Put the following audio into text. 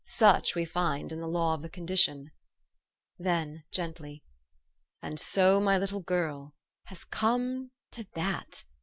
Such we find in the law of the conditioned." Then gently, " And so my little girl has come to that!